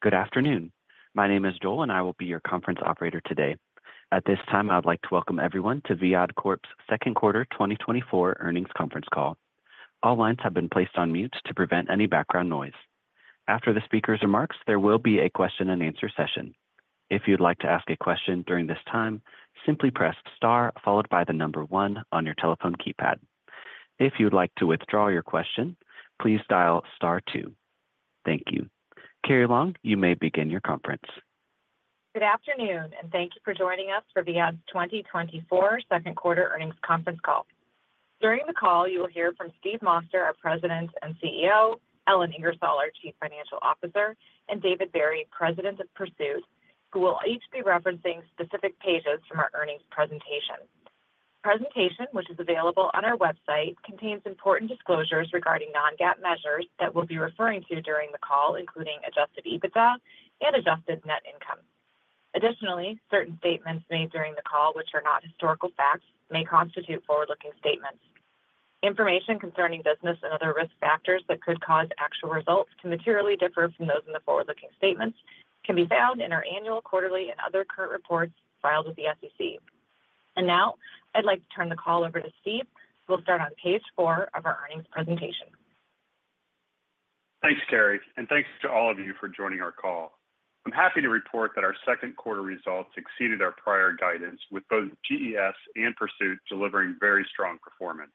Good afternoon. My name is Joel, and I will be your conference operator today. At this time, I'd like to welcome everyone to Viad Corp's second quarter 2024 earnings conference call. All lines have been placed on mute to prevent any background noise. After the speaker's remarks, there will be a question-and-answer session. If you'd like to ask a question during this time, simply press star followed by 1 on your telephone keypad. If you'd like to withdraw your question, please dial star 2. Thank you. Carrie Long, you may begin your conference. Good afternoon, and thank you for joining us for Viad's 2024 second quarter earnings conference call. During the call, you will hear from Steve Moster, our President and CEO, Ellen Ingersoll, our Chief Financial Officer, and David Barry, President of Pursuit, who will each be referencing specific pages from our earnings presentation. The presentation, which is available on our website, contains important disclosures regarding non-GAAP measures that we'll be referring to during the call, including adjusted EBITDA and adjusted net income. Additionally, certain statements made during the call, which are not historical facts, may constitute forward-looking statements. Information concerning business and other risk factors that could cause actual results to materially differ from those in the forward-looking statements can be found in our annual, quarterly, and other current reports filed with the SEC. Now, I'd like to turn the call over to Steve, who will start on page 4 of our earnings presentation. Thanks, Carrie, and thanks to all of you for joining our call. I'm happy to report that our second quarter results exceeded our prior guidance, with both GES and Pursuit delivering very strong performance.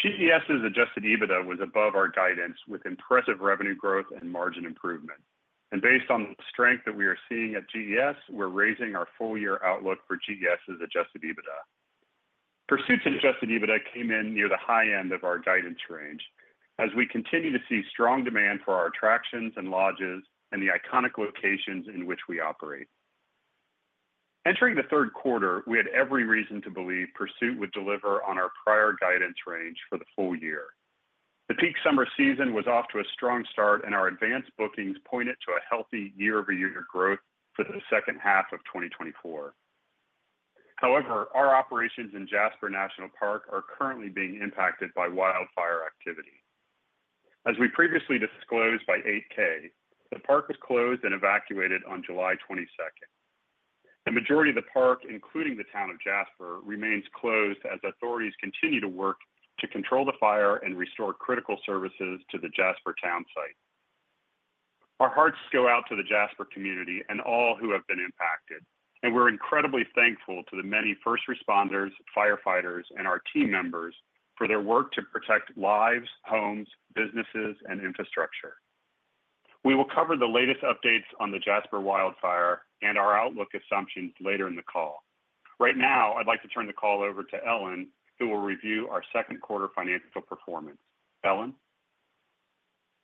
GES's adjusted EBITDA was above our guidance, with impressive revenue growth and margin improvement. Based on the strength that we are seeing at GES, we're raising our full-year outlook for GES's adjusted EBITDA. Pursuit's adjusted EBITDA came in near the high end of our guidance range as we continue to see strong demand for our attractions and lodges and the iconic locations in which we operate. Entering the third quarter, we had every reason to believe Pursuit would deliver on our prior guidance range for the full year. The peak summer season was off to a strong start, and our advanced bookings pointed to a healthy year-over-year growth for the second half of 2024. However, our operations in Jasper National Park are currently being impacted by wildfire activity. As we previously disclosed by 8-K, the park was closed and evacuated on July 22nd. The majority of the park, including the town of Jasper, remains closed as authorities continue to work to control the fire and restore critical services to the Jasper town site. Our hearts go out to the Jasper community and all who have been impacted, and we're incredibly thankful to the many first responders, firefighters, and our team members for their work to protect lives, homes, businesses, and infrastructure. We will cover the latest updates on the Jasper wildfire and our outlook assumptions later in the call. Right now, I'd like to turn the call over to Ellen, who will review our second quarter financial performance. Ellen?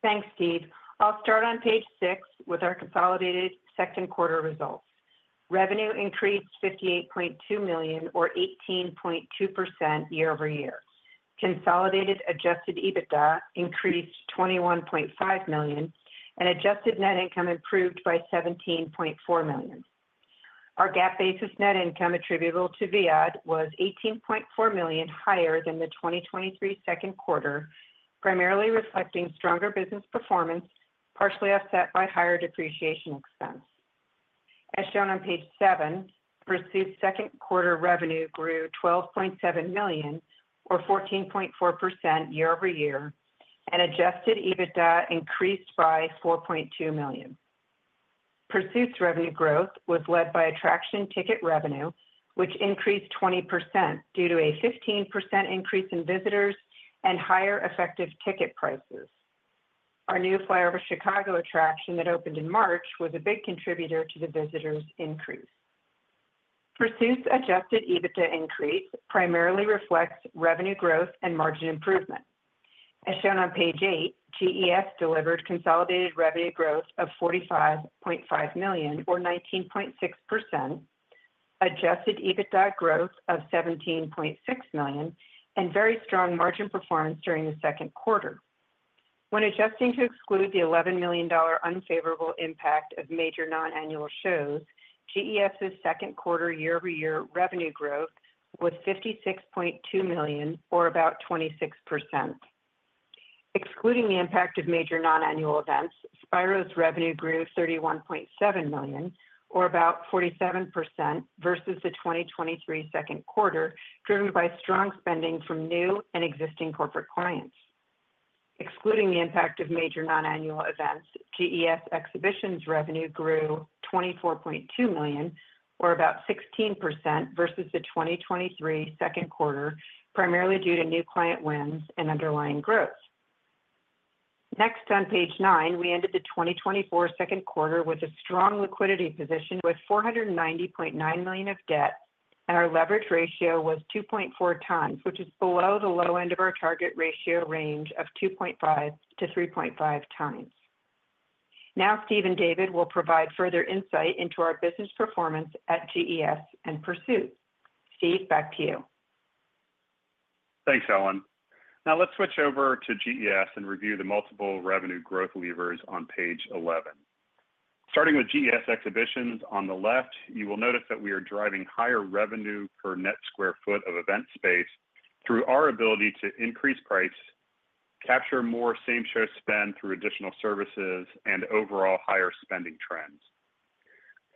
Thanks, Steve. I'll start on page 6 with our consolidated second quarter results. Revenue increased $58.2 million or 18.2% year-over-year. Consolidated adjusted EBITDA increased $21.5 million, and adjusted net income improved by $17.4 million. Our GAAP-basis net income attributable to Viad was $18.4 million higher than the 2023 second quarter, primarily reflecting stronger business performance, partially offset by higher depreciation expense. As shown on page 7, Pursuit's second quarter revenue grew $12.7 million or 14.4% year-over-year, and adjusted EBITDA increased by $4.2 million. Pursuit's revenue growth was led by attraction ticket revenue, which increased 20% due to a 15% increase in visitors and higher effective ticket prices. Our new FlyOver Chicago attraction that opened in March was a big contributor to the visitors' increase. Pursuit's adjusted EBITDA increase primarily reflects revenue growth and margin improvement. As shown on page 8, GES delivered consolidated revenue growth of $45.5 million, or 19.6%, adjusted EBITDA growth of $17.6 million, and very strong margin performance during the second quarter. When adjusting to exclude the $11 million unfavorable impact of major non-annual shows, GES's second quarter year-over-year revenue growth was $56.2 million, or about 26%. Excluding the impact of major non-annual events, Spiro's revenue grew $31.7 million, or about 47% versus the 2023 second quarter, driven by strong spending from new and existing corporate clients. Excluding the impact of major non-annual events, GES Exhibitions revenue grew $24.2 million, or about 16% versus the 2023 second quarter, primarily due to new client wins and underlying growth. Next, on page nine, we ended the 2024 second quarter with a strong liquidity position, with $490.9 million of debt, and our leverage ratio was 2.4 times, which is below the low end of our target ratio range of 2.5-3.5 times. Now Steve and David will provide further insight into our business performance at GES and Pursuit. Steve, back to you. Thanks, Ellen. Now let's switch over to GES and review the multiple revenue growth levers on page 11.... Starting with GES Exhibitions on the left, you will notice that we are driving higher revenue per net square foot of event space through our ability to increase price, capture more same show spend through additional services, and overall higher spending trends.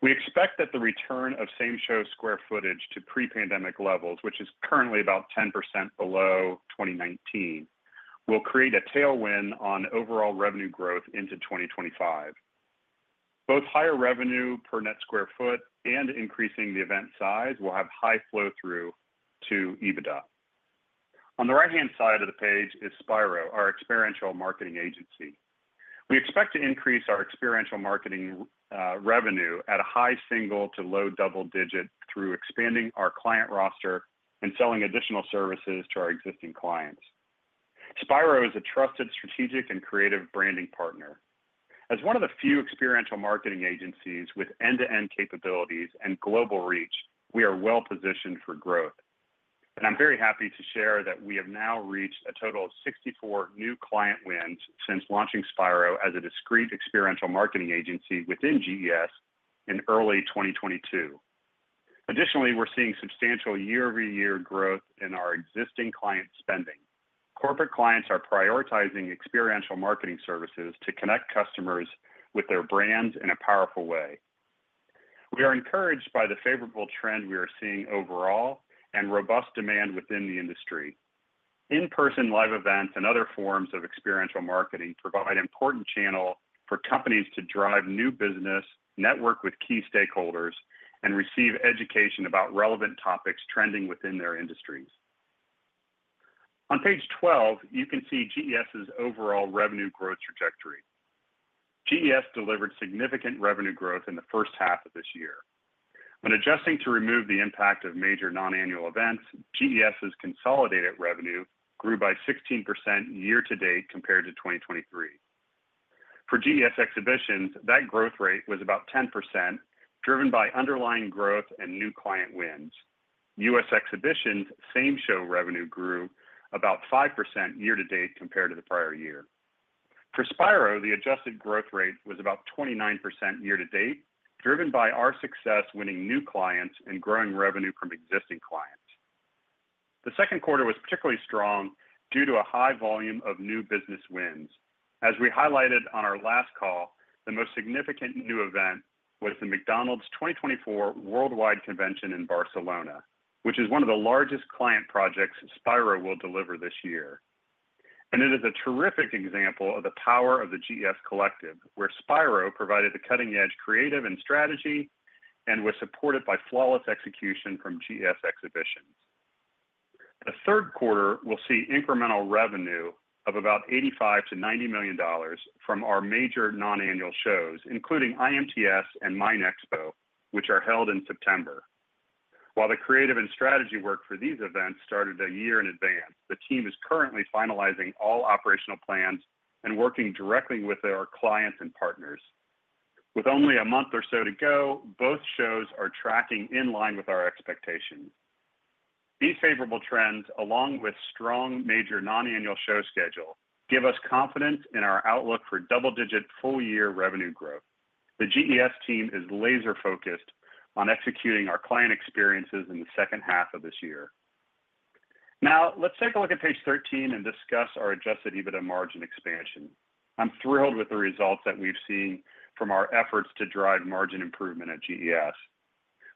We expect that the return of same show square footage to pre-pandemic levels, which is currently about 10% below 2019, will create a tailwind on overall revenue growth into 2025. Both higher revenue per net square foot and increasing the event size will have high flow through to EBITDA. On the right-hand side of the page is Spiro, our experiential marketing agency. We expect to increase our experiential marketing revenue at a high single- to low double-digit through expanding our client roster and selling additional services to our existing clients. Spiro is a trusted, strategic, and creative branding partner. As one of the few experiential marketing agencies with end-to-end capabilities and global reach, we are well positioned for growth, and I'm very happy to share that we have now reached a total of 64 new client wins since launching Spiro as a discrete experiential marketing agency within GES in early 2022. Additionally, we're seeing substantial year-over-year growth in our existing client spending. Corporate clients are prioritizing experiential marketing services to connect customers with their brands in a powerful way. We are encouraged by the favorable trend we are seeing overall and robust demand within the industry. In-person live events and other forms of experiential marketing provide important channel for companies to drive new business, network with key stakeholders, and receive education about relevant topics trending within their industries. On page 12, you can see GES's overall revenue growth trajectory. GES delivered significant revenue growth in the first half of this year. When adjusting to remove the impact of major non-annual events, GES's consolidated revenue grew by 16% year to date, compared to 2023. For GES Exhibitions, that growth rate was about 10%, driven by underlying growth and new client wins. U.S. Exhibitions same-show revenue grew about 5% year to date compared to the prior year. For Spiro, the adjusted growth rate was about 29% year to date, driven by our success winning new clients and growing revenue from existing clients. The second quarter was particularly strong due to a high volume of new business wins. As we highlighted on our last call, the most significant new event was the McDonald's 2024 Worldwide Convention in Barcelona, which is one of the largest client projects Spiro will deliver this year. It is a terrific example of the power of the GES Collective, where Spiro provided the cutting-edge creative and strategy and was supported by flawless execution from GES Exhibitions. The third quarter will see incremental revenue of about $85 million-$90 million from our major non-annual shows, including IMTS and MINExpo, which are held in September. While the creative and strategy work for these events started a year in advance, the team is currently finalizing all operational plans and working directly with our clients and partners. With only a month or so to go, both shows are tracking in line with our expectations. These favorable trends, along with strong major non-annual show schedule, give us confidence in our outlook for double-digit full-year revenue growth. The GES team is laser-focused on executing our client experiences in the second half of this year. Now, let's take a look at page 13 and discuss our adjusted EBITDA margin expansion. I'm thrilled with the results that we've seen from our efforts to drive margin improvement at GES.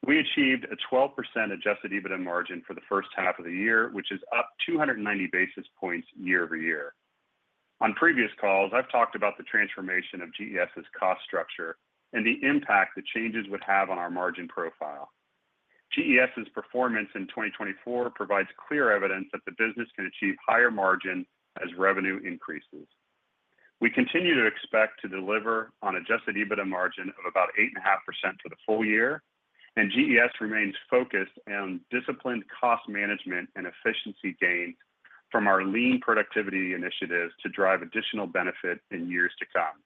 We achieved a 12% adjusted EBITDA margin for the first half of the year, which is up 290 basis points year-over-year. On previous calls, I've talked about the transformation of GES's cost structure and the impact the changes would have on our margin profile. GES's performance in 2024 provides clear evidence that the business can achieve higher margin as revenue increases. We continue to expect to deliver on adjusted EBITDA margin of about 8.5% for the full year, and GES remains focused on disciplined cost management and efficiency gains from our lean productivity initiatives to drive additional benefit in years to come.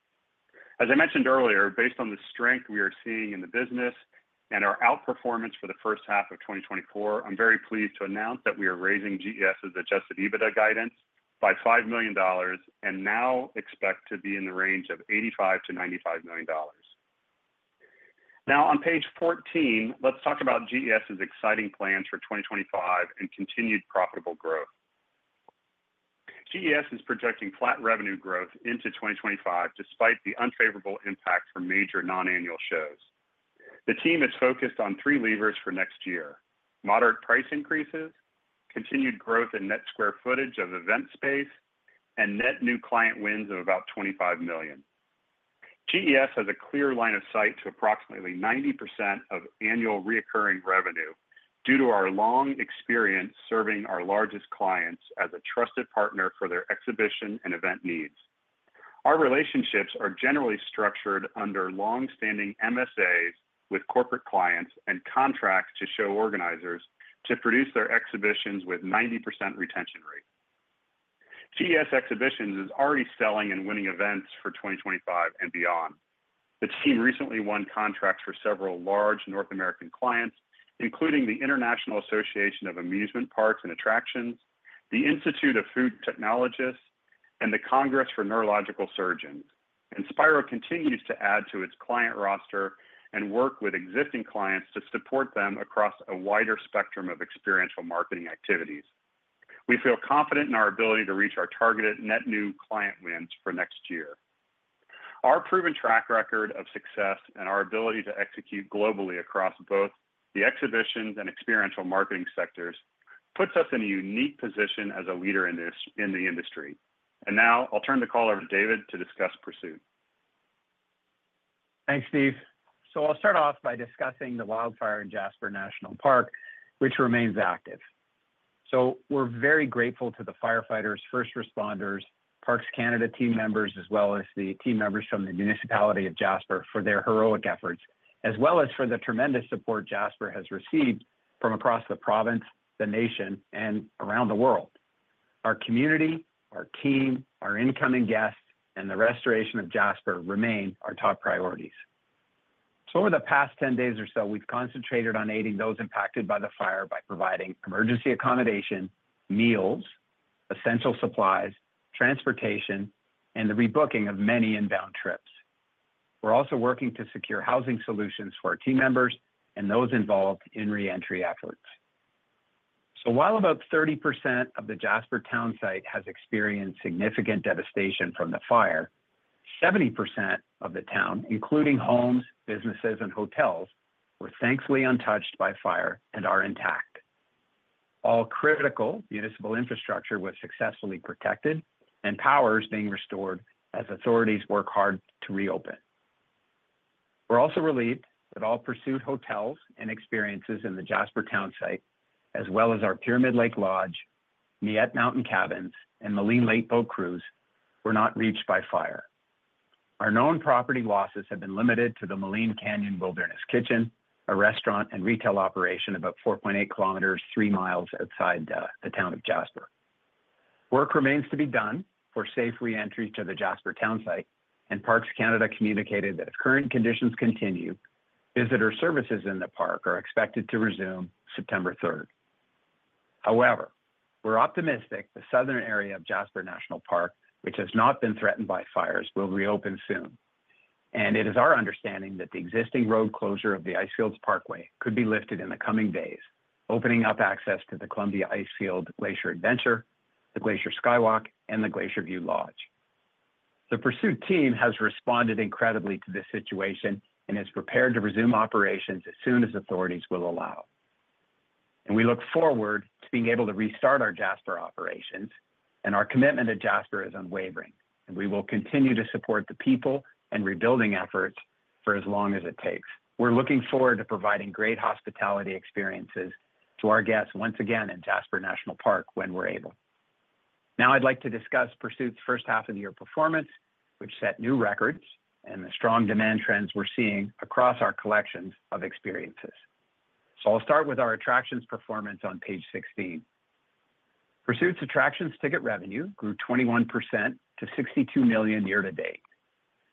As I mentioned earlier, based on the strength we are seeing in the business and our outperformance for the first half of 2024, I'm very pleased to announce that we are raising GES's adjusted EBITDA guidance by $5 million and now expect to be in the range of $85 million-$95 million. Now, on page 14, let's talk about GES's exciting plans for 2025 and continued profitable growth. GES is projecting flat revenue growth into 2025, despite the unfavorable impact from major non-annual shows. The team is focused on three levers for next year: moderate price increases, continued growth in net square footage of event space, and net new client wins of about $25 million. GES has a clear line of sight to approximately 90% of annual recurring revenue due to our long experience serving our largest clients as a trusted partner for their exhibition and event needs. Our relationships are generally structured under long-standing MSAs with corporate clients and contracts to show organizers to produce their exhibitions with 90% retention rate. GES Exhibitions is already selling and winning events for 2025 and beyond. The team recently won contracts for several large North American clients, including the International Association of Amusement Parks and Attractions, the Institute of Food Technologists-... and the Congress of Neurological Surgeons. Spiro continues to add to its client roster and work with existing clients to support them across a wider spectrum of experiential marketing activities. We feel confident in our ability to reach our targeted net new client wins for next year. Our proven track record of success and our ability to execute globally across both the exhibitions and experiential marketing sectors, puts us in a unique position as a leader in this in the industry. And now I'll turn the call over to David to discuss Pursuit. Thanks, Steve. So I'll start off by discussing the wildfire in Jasper National Park, which remains active. So we're very grateful to the firefighters, first responders, Parks Canada team members, as well as the team members from the Municipality of Jasper for their heroic efforts, as well as for the tremendous support Jasper has received from across the province, the nation, and around the world. Our community, our team, our incoming guests, and the restoration of Jasper remain our top priorities. So over the past 10 days or so, we've concentrated on aiding those impacted by the fire by providing emergency accommodation, meals, essential supplies, transportation, and the rebooking of many inbound trips. We're also working to secure housing solutions for our team members and those involved in re-entry efforts. So while about 30% of the Jasper townsite has experienced significant devastation from the fire, 70% of the town, including homes, businesses, and hotels, were thankfully untouched by fire and are intact. All critical municipal infrastructure was successfully protected, and power is being restored as authorities work hard to reopen. We're also relieved that all Pursuit hotels and experiences in the Jasper townsite, as well as our Pyramid Lake Lodge, Miette Mountain Cabins, and Maligne Lake Boat Cruise, were not reached by fire. Our known property losses have been limited to the Maligne Canyon Wilderness Kitchen, a restaurant and retail operation about 4.8 kilometers, 3 miles outside, the town of Jasper. Work remains to be done for safe re-entry to the Jasper townsite, and Parks Canada communicated that if current conditions continue, visitor services in the park are expected to resume September third. However, we're optimistic the southern area of Jasper National Park, which has not been threatened by fires, will reopen soon. It is our understanding that the existing road closure of the Icefields Parkway could be lifted in the coming days, opening up access to the Columbia Icefield Glacier Adventure, the Glacier Skywalk, and the Glacier View Lodge. The Pursuit team has responded incredibly to this situation and is prepared to resume operations as soon as authorities will allow. We look forward to being able to restart our Jasper operations, and our commitment to Jasper is unwavering, and we will continue to support the people and rebuilding efforts for as long as it takes. We're looking forward to providing great hospitality experiences to our guests once again in Jasper National Park when we're able. Now, I'd like to discuss Pursuit's first half of the year performance, which set new records and the strong demand trends we're seeing across our collections of experiences. So I'll start with our attractions performance on page 16. Pursuit's attractions ticket revenue grew 21% to $62 million year to date.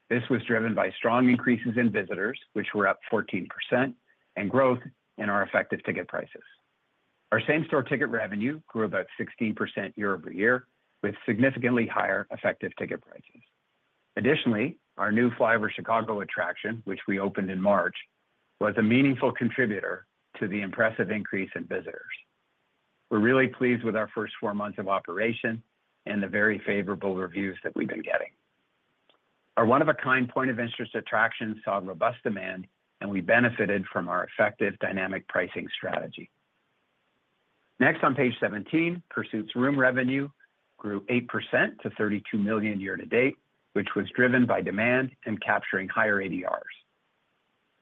This was driven by strong increases in visitors, which were up 14%, and growth in our effective ticket prices. Our same-store ticket revenue grew about 16% year-over-year, with significantly higher effective ticket prices. Additionally, our new FlyOver Chicago attraction, which we opened in March, was a meaningful contributor to the impressive increase in visitors. We're really pleased with our first four months of operation and the very favorable reviews that we've been getting. Our one-of-a-kind point of interest attractions saw robust demand, and we benefited from our effective dynamic pricing strategy. Next, on page 17, Pursuit's room revenue grew 8% to $32 million year to date, which was driven by demand and capturing higher ADRs.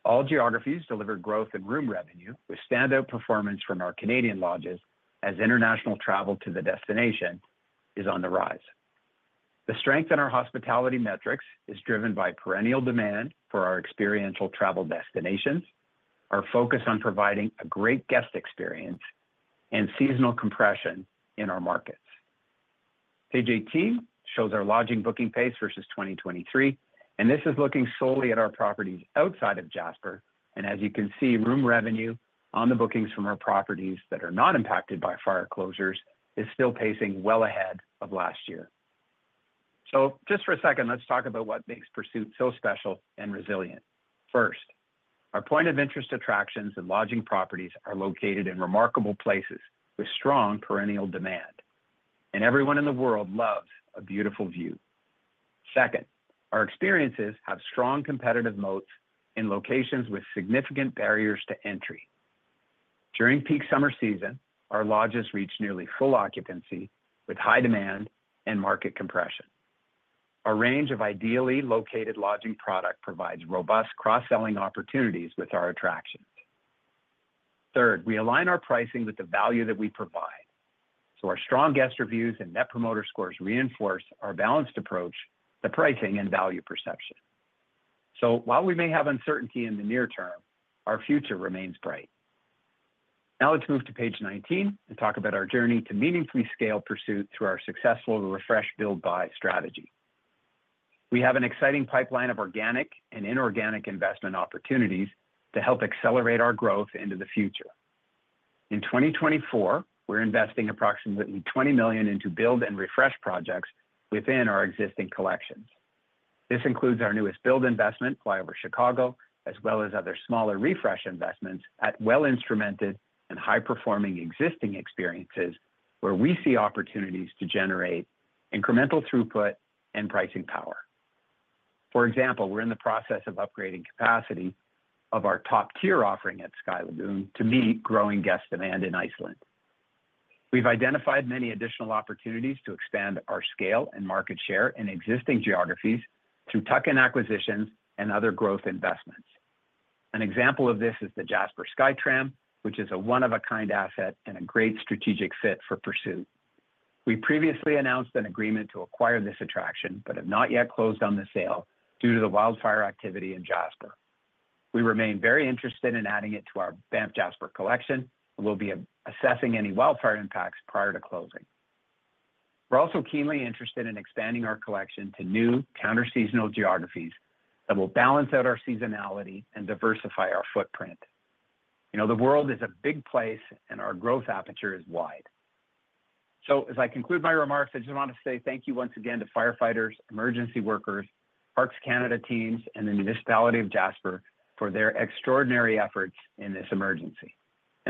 All geographies delivered growth in room revenue, with standout performance from our Canadian lodges, as international travel to the destination is on the rise. The strength in our hospitality metrics is driven by perennial demand for our experiential travel destinations, our focus on providing a great guest experience, and seasonal compression in our markets. Page 18 shows our lodging booking pace versus 2023, and this is looking solely at our properties outside of Jasper, and as you can see, room revenue on the bookings from our properties that are not impacted by fire closures is still pacing well ahead of last year. So just for a second, let's talk about what makes Pursuit so special and resilient. First, our point of interest, attractions and lodging properties are located in remarkable places with strong perennial demand, and everyone in the world loves a beautiful view. Second, our experiences have strong competitive moats in locations with significant barriers to entry. During peak summer season, our lodges reach nearly full occupancy with high demand and market compression. Our range of ideally located lodging product provides robust cross-selling opportunities with our attractions. Third, we align our pricing with the value that we provide, so our strong guest reviews and net promoter scores reinforce our balanced approach to pricing and value perception. So while we may have uncertainty in the near term, our future remains bright. Now, let's move to page 19 and talk about our journey to meaningfully scale Pursuit through our successful Refresh, Build, Buy strategy. We have an exciting pipeline of organic and inorganic investment opportunities to help accelerate our growth into the future. In 2024, we're investing approximately $20 million into build and refresh projects within our existing collections. This includes our newest build investment, FlyOver Chicago, as well as other smaller refresh investments at well-instrumented and high-performing existing experiences, where we see opportunities to generate incremental throughput and pricing power. For example, we're in the process of upgrading capacity of our top-tier offering at Sky Lagoon to meet growing guest demand in Iceland. We've identified many additional opportunities to expand our scale and market share in existing geographies through tuck-in acquisitions and other growth investments. An example of this is the Jasper SkyTram, which is a one-of-a-kind asset and a great strategic fit for Pursuit. We previously announced an agreement to acquire this attraction, but have not yet closed on the sale due to the wildfire activity in Jasper. We remain very interested in adding it to our Banff Jasper Collection and will be assessing any wildfire impacts prior to closing. We're also keenly interested in expanding our collection to new counter-seasonal geographies that will balance out our seasonality and diversify our footprint. You know, the world is a big place, and our growth aperture is wide. So as I conclude my remarks, I just want to say thank you once again to firefighters, emergency workers, Parks Canada teams, and the Municipality of Jasper for their extraordinary efforts in this emergency.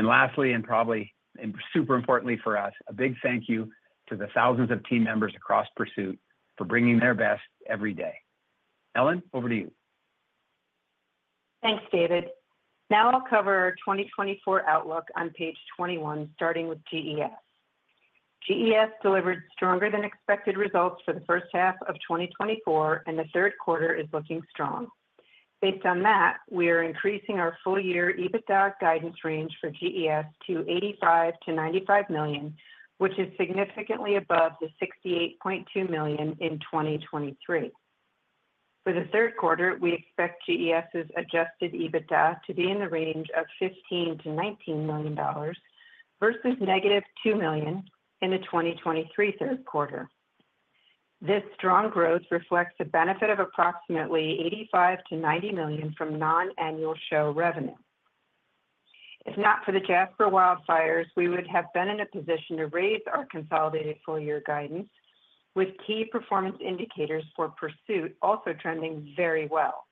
And lastly, and probably, and super importantly for us, a big thank you to the thousands of team members across Pursuit for bringing their best every day. Ellen, over to you. Thanks, David. Now I'll cover our 2024 outlook on page 21, starting with GES. GES delivered stronger than expected results for the first half of 2024, and the third quarter is looking strong. Based on that, we are increasing our full-year EBITDA guidance range for GES to $85 million-$95 million, which is significantly above the $68.2 million in 2023. For the third quarter, we expect GES's adjusted EBITDA to be in the range of $15 million-$19 million, versus -$2 million in the 2023 third quarter. This strong growth reflects the benefit of approximately $85 million-$90 million from non-annual show revenue. If not for the Jasper wildfires, we would have been in a position to raise our consolidated full-year guidance, with key performance indicators for Pursuit also trending very well.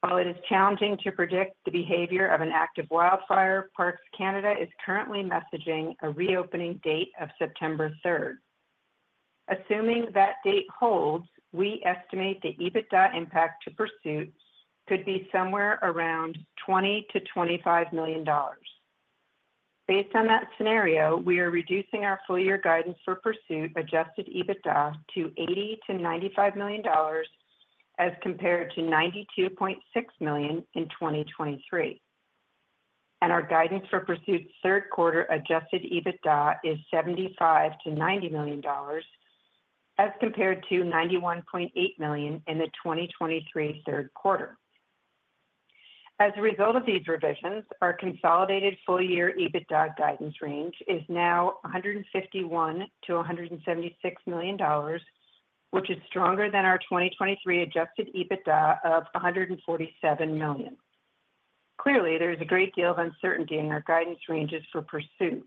While it is challenging to predict the behavior of an active wildfire, Parks Canada is currently messaging a reopening date of September third. Assuming that date holds, we estimate the EBITDA impact to Pursuit could be somewhere around $20 to $25 million. Based on that scenario, we are reducing our full-year guidance for Pursuit adjusted EBITDA to $80 to $95 million as compared to $92.6 million in 2023. Our guidance for Pursuit's third quarter adjusted EBITDA is $75 to $90 million as compared to $91.8 million in the 2023 third quarter. As a result of these revisions, our consolidated full-year EBITDA guidance range is now $151 to $176 million, which is stronger than our 2023 adjusted EBITDA of $147 million. Clearly, there is a great deal of uncertainty in our guidance ranges for Pursuit.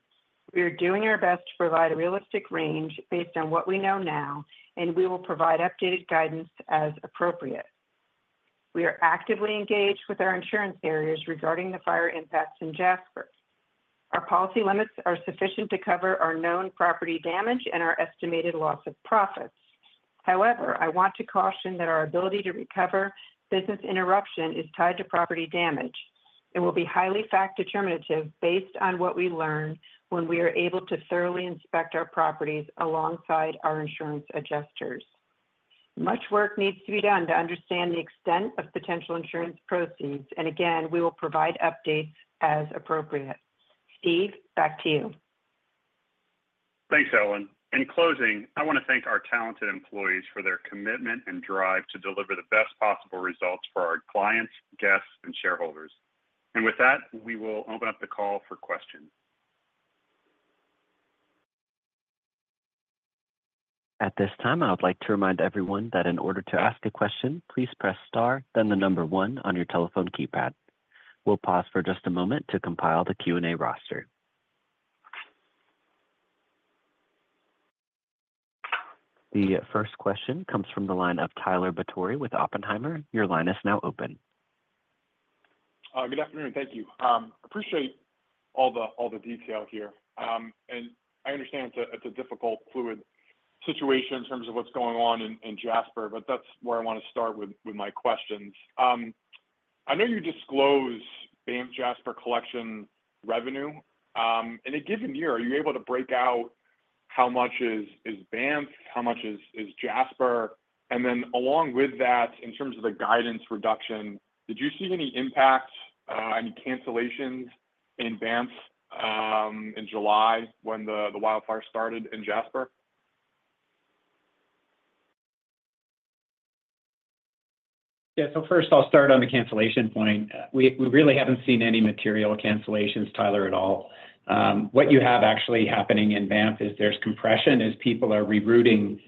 We are doing our best to provide a realistic range based on what we know now, and we will provide updated guidance as appropriate. We are actively engaged with our insurance carriers regarding the fire impacts in Jasper. Our policy limits are sufficient to cover our known property damage and our estimated loss of profits. However, I want to caution that our ability to recover business interruption is tied to property damage and will be highly fact determinative based on what we learn when we are able to thoroughly inspect our properties alongside our insurance adjusters. Much work needs to be done to understand the extent of potential insurance proceeds, and again, we will provide updates as appropriate. Steve, back to you. Thanks, Ellen. In closing, I want to thank our talented employees for their commitment and drive to deliver the best possible results for our clients, guests, and shareholders. With that, we will open up the call for questions. At this time, I would like to remind everyone that in order to ask a question, please press star, then the number one on your telephone keypad. We'll pause for just a moment to compile the Q&A roster. The first question comes from the line of Tyler Batory with Oppenheimer. Your line is now open. Good afternoon. Thank you. Appreciate all the, all the detail here. And I understand it's a, it's a difficult, fluid situation in terms of what's going on in, in Jasper, but that's where I want to start with, with my questions. I know you disclose Banff Jasper Collection revenue. In a given year, are you able to break out how much is, is Banff? How much is, is Jasper? And then along with that, in terms of the guidance reduction, did you see any impact, any cancellations in Banff, in July when the, the wildfire started in Jasper?... Yeah, so first I'll start on the cancellation point. We really haven't seen any material cancellations, Tyler, at all. What you have actually happening in Banff is there's compression as people are rerouting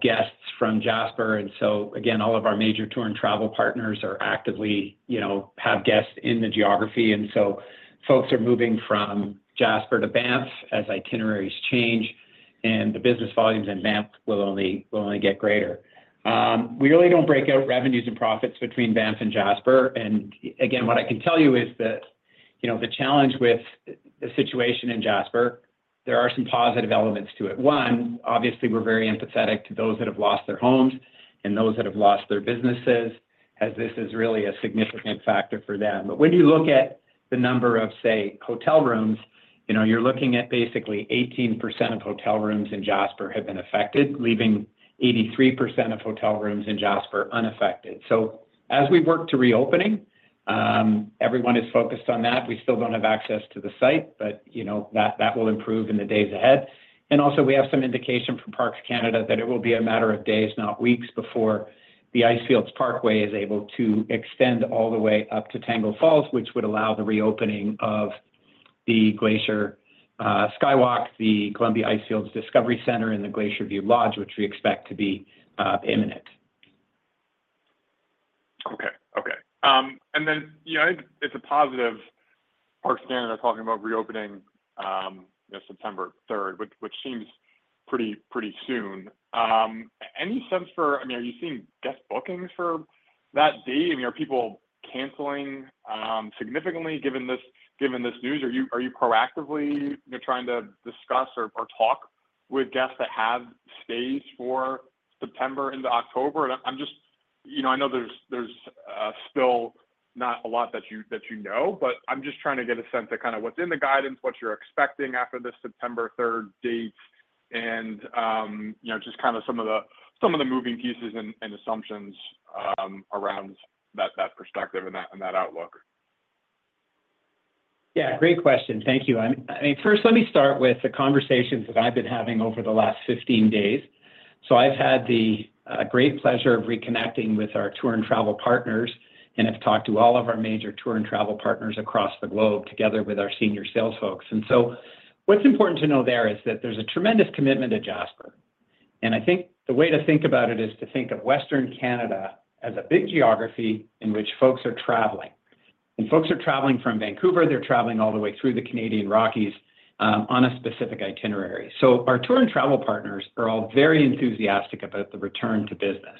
guests from Jasper. And so, again, all of our major tour and travel partners are actively, you know, have guests in the geography. And so folks are moving from Jasper to Banff as itineraries change, and the business volumes in Banff will only get greater. We really don't break out revenues and profits between Banff and Jasper. And again, what I can tell you is that, you know, the challenge with the situation in Jasper, there are some positive elements to it. One, obviously, we're very empathetic to those that have lost their homes and those that have lost their businesses, as this is really a significant factor for them. But when you look at the number of, say, hotel rooms, you know, you're looking at basically 18% of hotel rooms in Jasper have been affected, leaving 83% of hotel rooms in Jasper unaffected. So as we work to reopening, everyone is focused on that. We still don't have access to the site, but, you know, that, that will improve in the days ahead. Also, we have some indication from Parks Canada that it will be a matter of days, not weeks, before the Icefields Parkway is able to extend all the way up to Tangle Falls, which would allow the reopening of the Glacier Skywalk, the Columbia Icefields Discovery Center, and the Glacier View Lodge, which we expect to be imminent. Okay. Okay. And then, you know, it, it's a positive Parks Canada are talking about reopening, you know, September third, which, which seems pretty, pretty soon. Any sense for-- I mean, are you seeing guest bookings for that day? I mean, are people canceling, significantly, given this, given this news? Are you, are you proactively, you know, trying to discuss or, or talk with guests that have stays for September into October? And I'm just... You know, I know there's, there's, still not a lot that you, that you know, but I'm just trying to get a sense of kind of what's in the guidance, what you're expecting after this September third date, and, you know, just kind of some of the, some of the moving pieces and, and assumptions, around that, that perspective and that, and that outlook. Yeah, great question. Thank you. I mean, first, let me start with the conversations that I've been having over the last 15 days. So I've had the great pleasure of reconnecting with our tour and travel partners, and I've talked to all of our major tour and travel partners across the globe, together with our senior sales folks. And so what's important to know there is that there's a tremendous commitment to Jasper, and I think the way to think about it is to think of Western Canada as a big geography in which folks are traveling. And folks are traveling from Vancouver, they're traveling all the way through the Canadian Rockies, on a specific itinerary. So our tour and travel partners are all very enthusiastic about the return to business,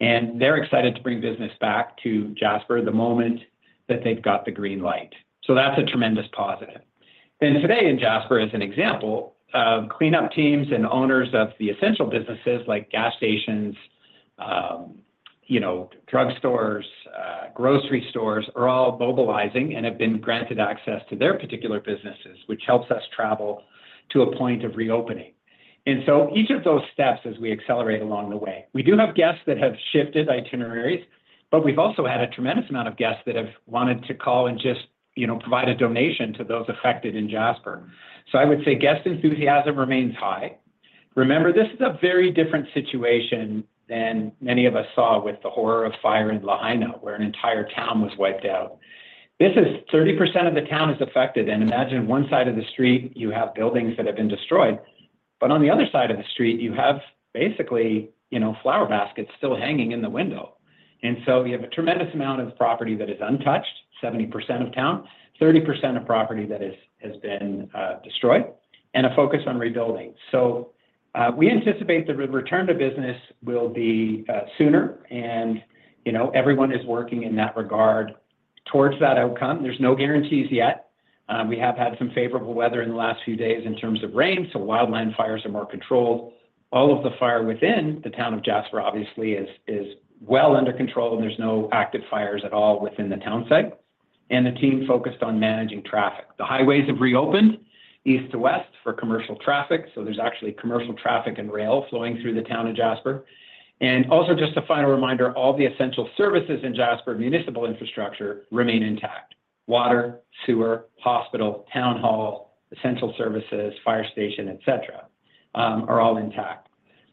and they're excited to bring business back to Jasper the moment that they've got the green light. So that's a tremendous positive. And today in Jasper, as an example, cleanup teams and owners of the essential businesses like gas stations, you know, drug stores, grocery stores, are all mobilizing and have been granted access to their particular businesses, which helps us travel to a point of reopening. And so each of those steps as we accelerate along the way. We do have guests that have shifted itineraries, but we've also had a tremendous amount of guests that have wanted to call and just, you know, provide a donation to those affected in Jasper. So I would say guest enthusiasm remains high. Remember, this is a very different situation than many of us saw with the horror of fire in Lahaina, where an entire town was wiped out. This is 30% of the town is affected, and imagine one side of the street, you have buildings that have been destroyed, but on the other side of the street, you have basically, you know, flower baskets still hanging in the window. And so you have a tremendous amount of property that is untouched, 70% of town, 30% of property that has been destroyed, and a focus on rebuilding. So, we anticipate the return to business will be sooner, and, you know, everyone is working in that regard towards that outcome. There's no guarantees yet. We have had some favorable weather in the last few days in terms of rain, so wildland fires are more controlled. All of the fire within the town of Jasper, obviously, is well under control, and there's no active fires at all within the townsite, and the team focused on managing traffic. The highways have reopened east to west for commercial traffic, so there's actually commercial traffic and rail flowing through the town of Jasper. Also, just a final reminder, all the essential services in Jasper, municipal infrastructure, remain intact: water, sewer, hospital, town hall, essential services, fire station, et cetera, are all intact.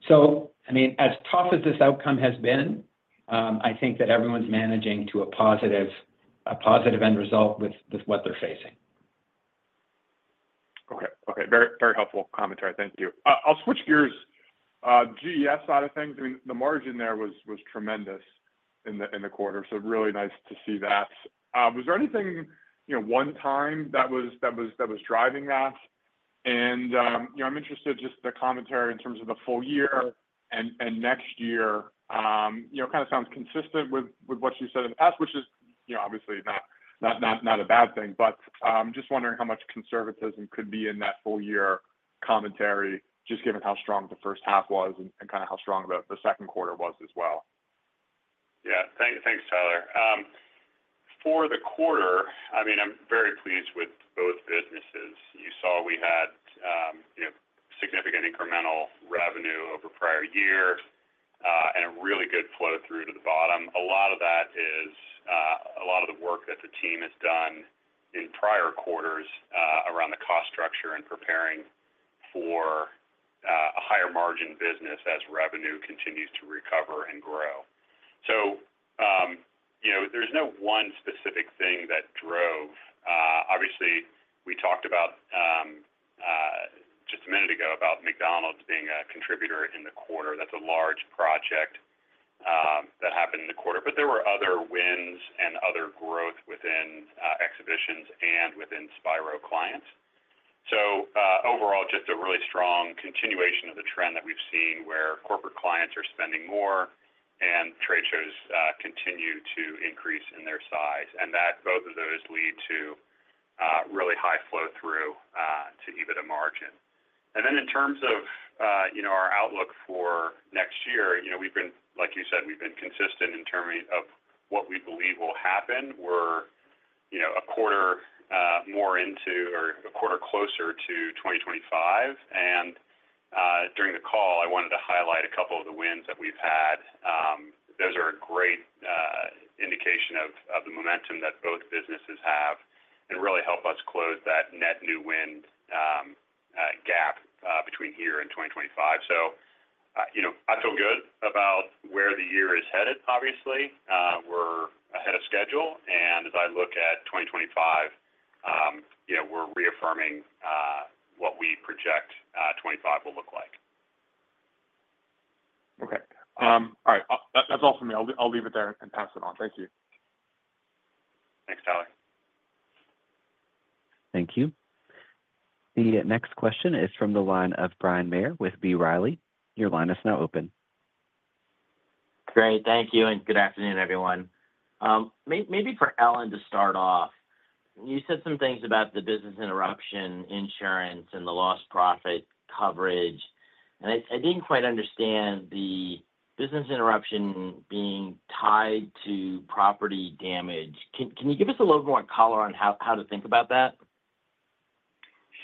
So, I mean, as tough as this outcome has been, I think that everyone's managing to a positive end result with what they're facing. Okay. Okay, very, very helpful commentary. Thank you. I'll switch gears. GES side of things, I mean, the margin there was tremendous in the quarter, so really nice to see that. Was there anything, you know, one time that was driving that? And, you know, I'm interested just the commentary in terms of the full year and next year. You know, kind of sounds consistent with what you said in the past, which is, you know, obviously not a bad thing. But, just wondering how much conservatism could be in that full-year commentary, just given how strong the first half was and kind of how strong the second quarter was as well. Yeah. Thanks, Tyler. For the quarter, I mean, I'm very pleased with both businesses. You saw we had, you know, significant incremental revenue over prior year, and a really good flow-through to the bottom that the team has done in prior quarters, around the cost structure and preparing for a higher margin business as revenue continues to recover and grow. So, you know, there's no one specific thing that drove. Obviously, we talked about, just a minute ago, about McDonald's being a contributor in the quarter. That's a large project that happened in the quarter, but there were other wins and other growth within exhibitions and within Spiro clients. So, overall, just a really strong continuation of the trend that we've seen, where corporate clients are spending more and trade shows continue to increase in their size, and that both of those lead to really high flow through to EBITDA margin. And then in terms of you know, our outlook for next year, you know, we've been, like you said, we've been consistent in terms of what we believe will happen. We're you know, a quarter more into or a quarter closer to 2025, and during the call, I wanted to highlight a couple of the wins that we've had. Those are a great indication of the momentum that both businesses have and really help us close that net new win gap between here and 2025. So, you know, I feel good about where the year is headed, obviously. We're ahead of schedule, and as I look at 2025, you know, we're reaffirming what we project 25 will look like. Okay. All right. That, that's all for me. I'll leave it there and pass it on. Thank you. Thanks, Tyler. Thank you. The next question is from the line of Bryan Maher with B. Riley. Your line is now open. Great. Thank you, and good afternoon, everyone. Maybe for Ellen to start off, you said some things about the business interruption insurance and the lost profit coverage, and I didn't quite understand the business interruption being tied to property damage. Can you give us a little more color on how to think about that?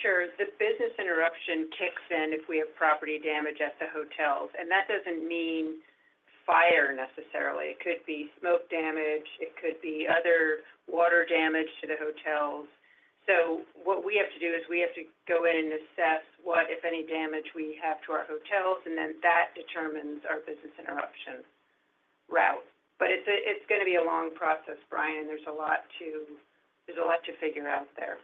Sure. The Business Interruption kicks in if we have property damage at the hotels, and that doesn't mean fire necessarily. It could be smoke damage; it could be other water damage to the hotels. So what we have to do is we have to go in and assess what, if any, damage we have to our hotels, and then that determines our Business Interruption route. But it's gonna be a long process, Bryan. There's a lot to figure out there.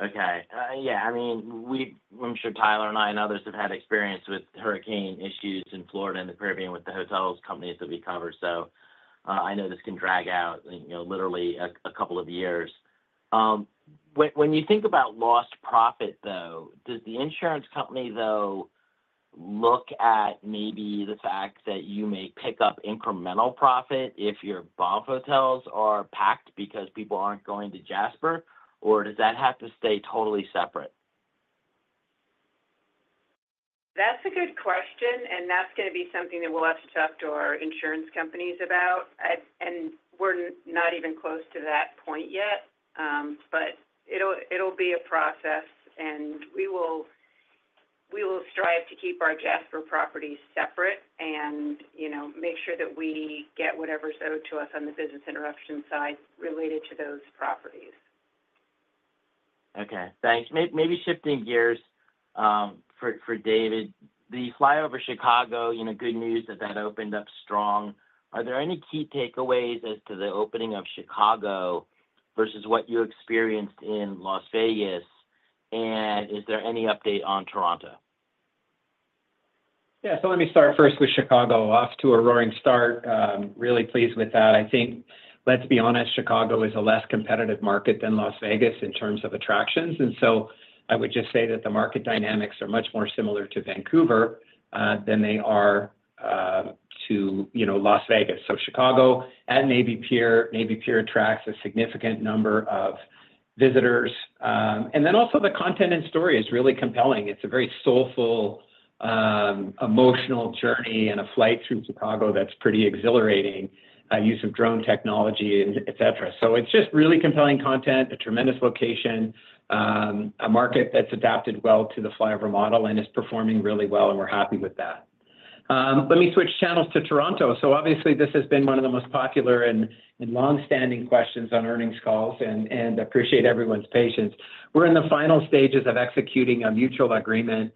Okay, I mean, I'm sure Tyler and I and others have had experience with hurricane issues in Florida and the Caribbean with the hotels, companies that we cover. So, I know this can drag out, you know, literally a couple of years. When you think about lost profit, though, does the insurance company, though, look at maybe the fact that you may pick up incremental profit if your Banff hotels are packed because people aren't going to Jasper? Or does that have to stay totally separate? That's a good question, and that's gonna be something that we'll have to talk to our insurance companies about. We're not even close to that point yet, but it'll be a process, and we will strive to keep our Jasper properties separate and, you know, make sure that we get whatever's owed to us on the Business Interruption side related to those properties. Okay, thanks. Maybe shifting gears for David. The FlyOver Chicago, you know, good news that that opened up strong. Are there any key takeaways as to the opening of Chicago versus what you experienced in Las Vegas, and is there any update on Toronto? Yeah. So let me start first with Chicago. Off to a roaring start. Really pleased with that. I think, let's be honest, Chicago is a less competitive market than Las Vegas in terms of attractions, and so I would just say that the market dynamics are much more similar to Vancouver than they are to, you know, Las Vegas. So Chicago at Navy Pier, Navy Pier attracts a significant number of visitors. And then also the content and story is really compelling. It's a very soulful emotional journey and a flight through Chicago that's pretty exhilarating, use of drone technology, and et cetera. So it's just really compelling content, a tremendous location, a market that's adapted well to the FlyOver model and is performing really well, and we're happy with that. Let me switch channels to Toronto. So obviously, this has been one of the most popular and longstanding questions on earnings calls and appreciate everyone's patience. We're in the final stages of executing a mutual agreement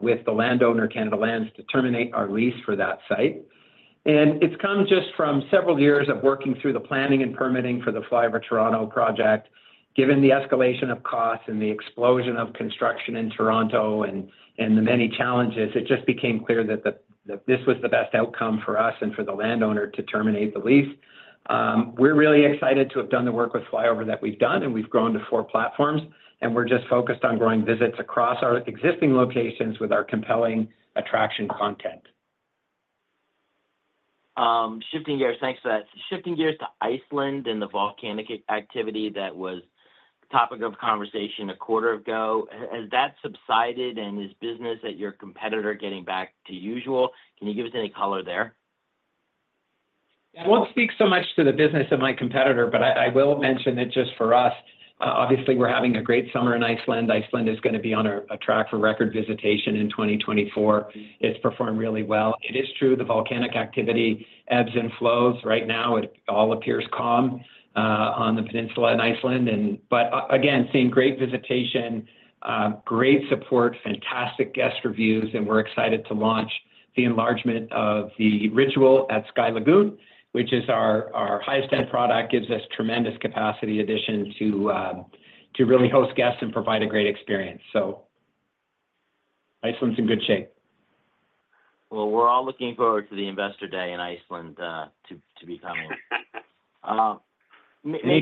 with the landowner, Canada Lands, to terminate our lease for that site. It's come just from several years of working through the planning and permitting for the FlyOver Toronto project. Given the escalation of costs and the explosion of construction in Toronto and the many challenges, it just became clear that that this was the best outcome for us and for the landowner to terminate the lease. We're really excited to have done the work with FlyOver that we've done, and we've grown to four platforms, and we're just focused on growing visits across our existing locations with our compelling attraction content. Shifting gears... Thanks for that. Shifting gears to Iceland and the volcanic activity, that was topic of conversation a quarter ago. Has that subsided, and is business at your competitor getting back to usual? Can you give us any color there? I won't speak so much to the business of my competitor, but I will mention that just for us. Obviously, we're having a great summer in Iceland. Iceland is gonna be on a track for record visitation in 2024. It's performed really well. It is true, the volcanic activity ebbs and flows. Right now, it all appears calm on the peninsula in Iceland, and but again, seeing great visitation, great support, fantastic guest reviews, and we're excited to launch the enlargement of the Ritual at Sky Lagoon, which is our highest end product, gives us tremendous capacity addition to to really host guests and provide a great experience. So Iceland's in good shape. Well, we're all looking forward to the Investor Day in Iceland, to be coming.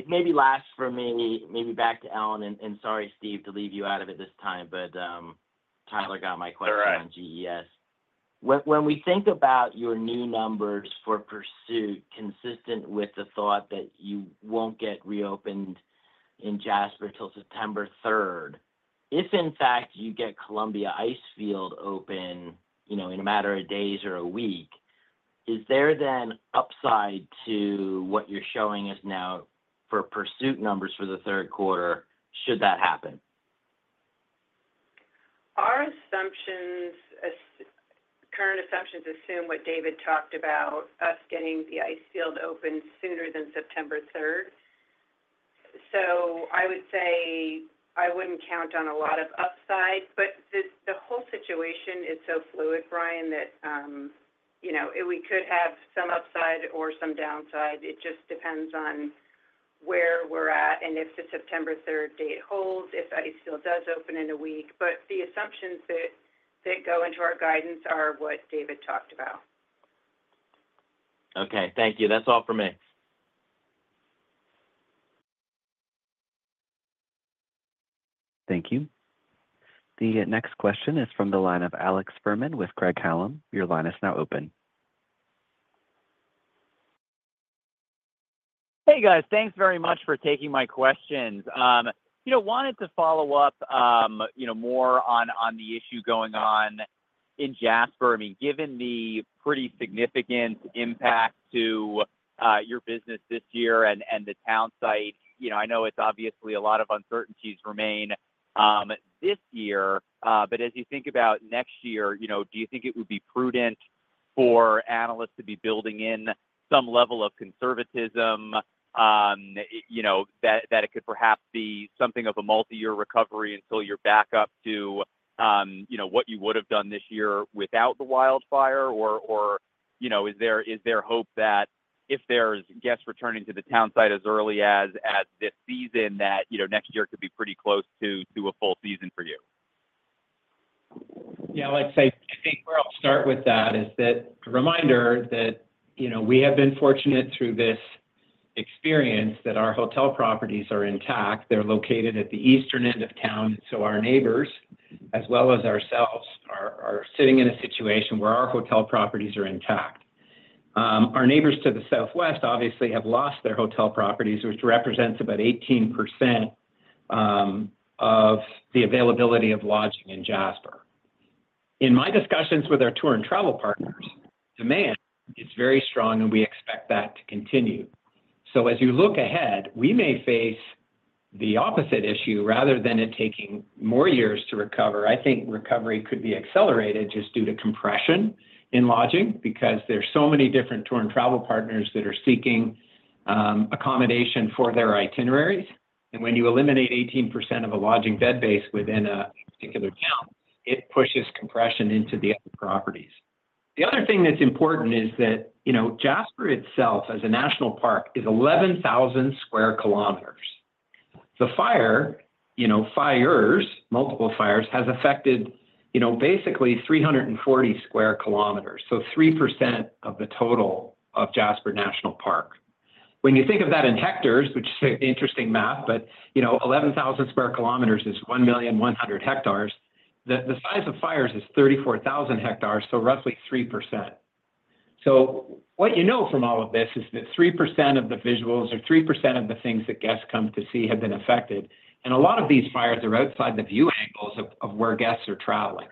Maybe last for me, maybe back to Ellen, and sorry, Steve, to leave you out of it this time, but Tyler got my question- All right on GES. When we think about your new numbers for Pursuit, consistent with the thought that you won't get reopened in Jasper till September third, if in fact, you get Columbia Icefield open, you know, in a matter of days or a week, is there then upside to what you're showing us now for Pursuit numbers for the third quarter, should that happen? Our current assumptions assume what David talked about, us getting the Icefield open sooner than September third. So I would say I wouldn't count on a lot of upside, but the whole situation is so fluid, Brian, that, you know, we could have some upside or some downside. It just depends on where we're at, and if the September third date holds, if Icefield does open in a week. But the assumptions that go into our guidance are what David talked about. Okay, thank you. That's all for me. Thank you. The next question is from the line of Alex Fuhrman with Craig-Hallum. Your line is now open. Hey, guys. Thanks very much for taking my questions. You know, wanted to follow up, you know, more on, on the issue going on in Jasper. I mean, given the pretty significant impact to your business this year and, and the town site, you know, I know it's obviously a lot of uncertainties remain this year, but as you think about next year, you know, do you think it would be prudent for analysts to be building in some level of conservatism, you know, that, that it could perhaps be something of a multi-year recovery until you're back up to, you know, what you would have done this year without the wildfire? You know, is there hope that if there's guests returning to the town site as early as this season, that, you know, next year could be pretty close to a full season for you? Yeah, Alex, I think where I'll start with that is that a reminder that, you know, we have been fortunate through this experience that our hotel properties are intact. They're located at the eastern end of town, so our neighbors, as well as ourselves, are sitting in a situation where our hotel properties are intact. Our neighbors to the southwest obviously have lost their hotel properties, which represents about 18% of the availability of lodging in Jasper. In my discussions with our tour and travel partners, demand is very strong, and we expect that to continue. So as you look ahead, we may face the opposite issue, rather than it taking more years to recover. I think recovery could be accelerated just due to compression in lodging because there are so many different tour and travel partners that are seeking accommodation for their itineraries, and when you eliminate 18% of a lodging bed base within a particular town, it pushes compression into the other properties. The other thing that's important is that, you know, Jasper itself, as a national park, is 11,000 square kilometers. The fire, you know, fires, multiple fires, has affected, you know, basically 340 square kilometers, so 3% of the total of Jasper National Park. When you think of that in hectares, which is an interesting math, but, you know, 11,000 square kilometers is 1,100,000 hectares. The size of fires is 34,000 hectares, so roughly 3%. So what you know from all of this is that 3% of the visuals or 3% of the things that guests come to see have been affected, and a lot of these fires are outside the view angles of where guests are traveling.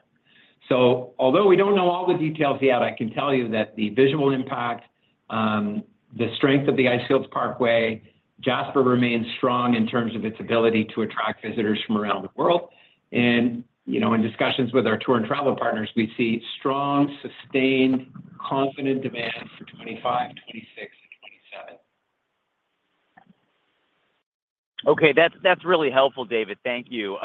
So although we don't know all the details yet, I can tell you that the visual impact, the strength of the Icefields Parkway, Jasper remains strong in terms of its ability to attract visitors from around the world. And, you know, in discussions with our tour and travel partners, we see strong, sustained, confident demand for 2025, 2026, and 2027. Okay, that's really helpful, David. Thank you.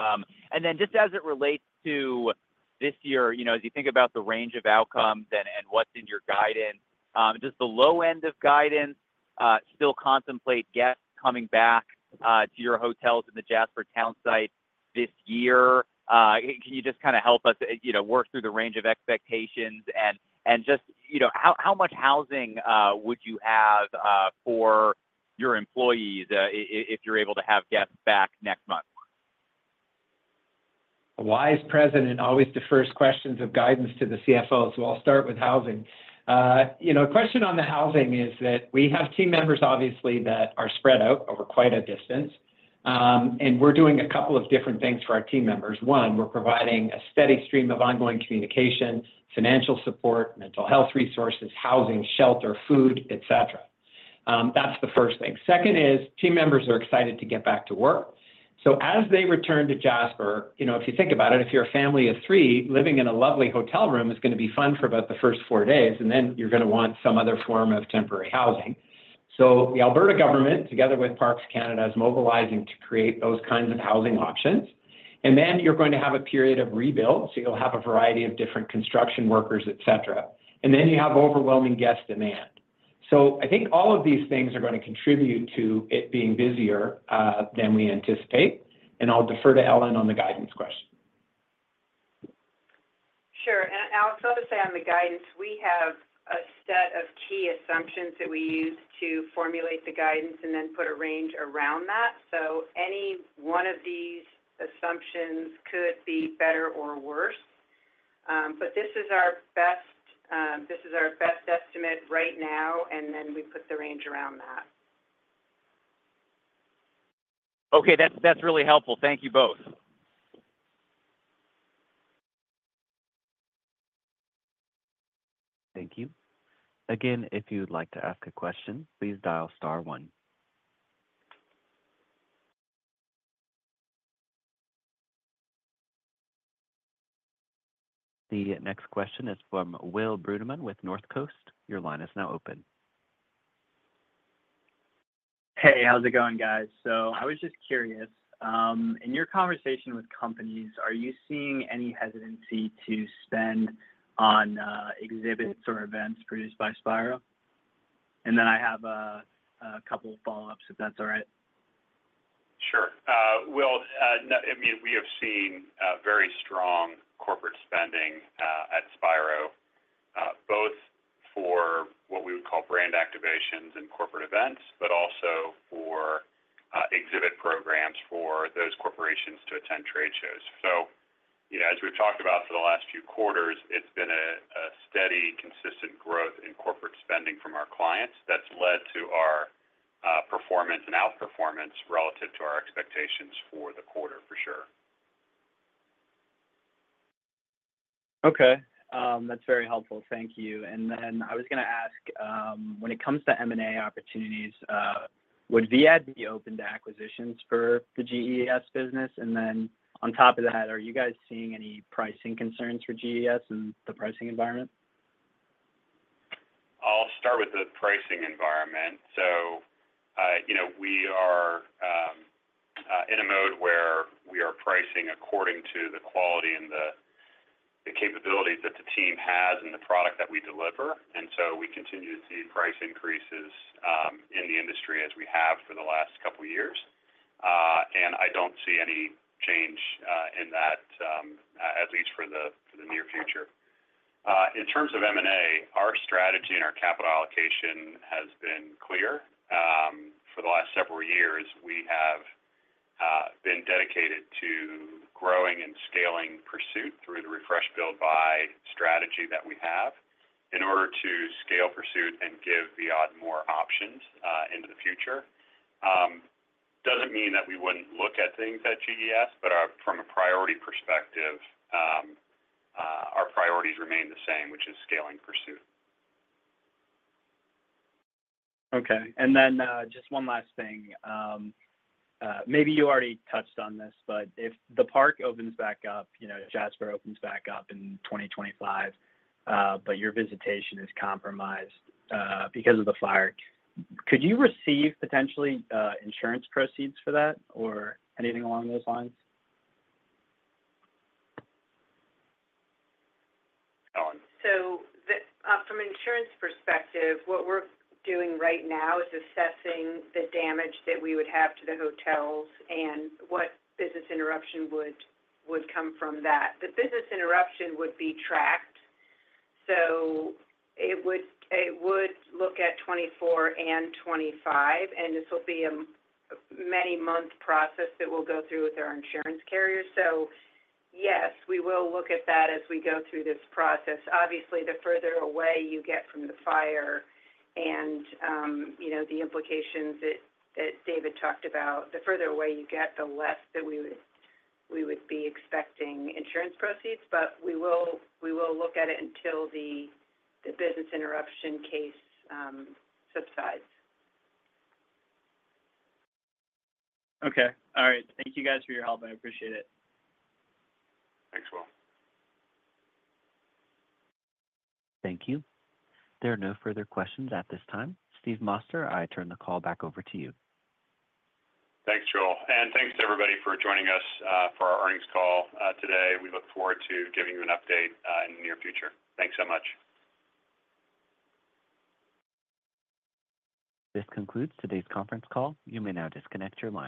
And then just as it relates to this year, you know, as you think about the range of outcomes and what's in your guidance, does the low end of guidance still contemplate guests coming back to your hotels in the Jasper town site this year? Can you just kinda help us, you know, work through the range of expectations and just, you know, how much housing would you have for your employees if you're able to have guests back next month? A wise President always defers questions of guidance to the CFO, so I'll start with housing. You know, the question on the housing is that we have team members, obviously, that are spread out over quite a distance, and we're doing a couple of different things for our team members. One, we're providing a steady stream of ongoing communication, financial support, mental health resources, housing, shelter, food, et cetera.... That's the first thing. Second is, team members are excited to get back to work. So as they return to Jasper, you know, if you think about it, if you're a family of three, living in a lovely hotel room is gonna be fun for about the first four days, and then you're gonna want some other form of temporary housing. So the Alberta government, together with Parks Canada, is mobilizing to create those kinds of housing options. And then you're going to have a period of rebuild, so you'll have a variety of different construction workers, et cetera. And then you have overwhelming guest demand. So I think all of these things are gonna contribute to it being busier than we anticipate, and I'll defer to Ellen on the guidance question. Sure. And Alex, I'll just say on the guidance, we have a set of key assumptions that we use to formulate the guidance and then put a range around that. So any one of these assumptions could be better or worse. But this is our best, this is our best estimate right now, and then we put the range around that. Okay, that's, that's really helpful. Thank you both. Thank you. Again, if you'd like to ask a question, please dial star one. The next question is from Will Brunemann with Northcoast. Your line is now open. Hey, how's it going, guys? So I was just curious, in your conversation with companies, are you seeing any hesitancy to spend on, exhibits or events produced by Spiro? And then I have a couple of follow-ups, if that's all right. Sure. Will, no, I mean, we have seen very strong corporate spending at Spiro, both for what we would call brand activations and corporate events, but also for exhibit programs for those corporations to attend trade shows. So, you know, as we've talked about for the last few quarters, it's been a steady, consistent growth in corporate spending from our clients that's led to our performance and outperformance relative to our expectations for the quarter, for sure. Okay. That's very helpful. Thank you. And then I was gonna ask, when it comes to M&A opportunities, would Viad be open to acquisitions for the GES business? And then on top of that, are you guys seeing any pricing concerns for GES in the pricing environment? I'll start with the pricing environment. So, you know, we are in a mode where we are pricing according to the quality and the capabilities that the team has and the product that we deliver, and so we continue to see price increases in the industry as we have for the last couple of years. And I don't see any change in that at least for the near future. In terms of M&A, our strategy and our capital allocation has been clear. For the last several years, we have been dedicated to growing and scaling Pursuit through the Refresh, Build, Buy strategy that we have in order to scale Pursuit, and give Viad more options into the future. Doesn't mean that we wouldn't look at things at GES, but from a priority perspective, our priorities remain the same, which is scaling Pursuit. Okay. And then, just one last thing. Maybe you already touched on this, but if the park opens back up, you know, Jasper opens back up in 2025, but your visitation is compromised, because of the fire, could you receive potentially, insurance proceeds for that or anything along those lines? Go on. So, from an insurance perspective, what we're doing right now is assessing the damage that we would have to the hotels and what business interruption would come from that. The business interruption would be tracked, so it would look at 2024 and 2025, and this will be a many-month process that we'll go through with our insurance carrier. So yes, we will look at that as we go through this process. Obviously, the further away you get from the fire, and you know, the implications that David talked about, the further away you get, the less that we would be expecting insurance proceeds. But we will look at it until the business interruption case subsides. Okay. All right. Thank you guys for your help. I appreciate it. Thanks, Will. Thank you. There are no further questions at this time. Steven Moster, I turn the call back over to you. Thanks, Joel, and thanks to everybody for joining us for our earnings call today. We look forward to giving you an update in the near future. Thanks so much. This concludes today's conference call. You may now disconnect your line.